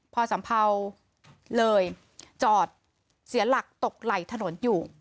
พอสัมเภาเลยจอดเสียหลักตกไหล่ถนนอยู่